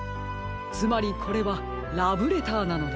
つまりこれはラブレターなのです。